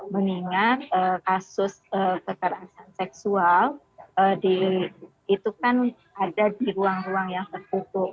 mengingat kasus kekerasan seksual itu kan ada di ruang ruang yang tertutup